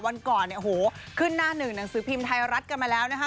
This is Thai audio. วันก่อนเนี่ยโอ้โหขึ้นหน้าหนึ่งหนังสือพิมพ์ไทยรัฐกันมาแล้วนะคะ